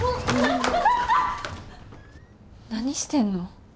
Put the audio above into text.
何してんの？